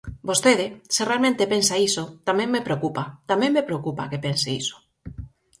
Vostede, se realmente pensa iso, tamén me preocupa; tamén me preocupa que pense iso.